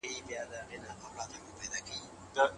دا نعمت بايد له لاسه ورنکړو.